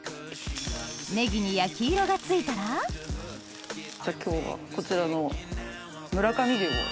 ネギに焼き色がついたら今日はこちらの村上牛を。